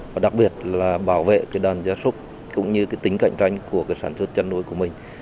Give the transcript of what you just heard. và đặc biệt là bảo vệ đoàn gia súc cũng như tính cạnh tranh của sản xuất chân nuôi của mình